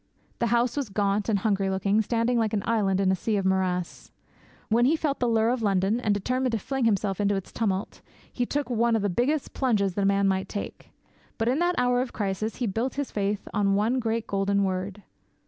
The house was gaunt and hungry looking, standing like an island in a sea of morass. When he felt the lure of London, and determined to fling himself into its tumult, he took 'one of the biggest plunges that a man might take.' But in that hour of crisis he built his faith on one great golden word.